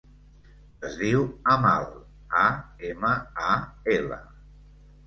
Es diu Amal: a, ema, a, ela.